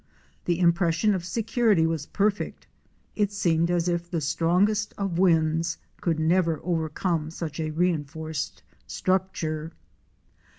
The im pression of security was perfect —it seemed as if the strongest of winds could never overcome such a reinforced structure.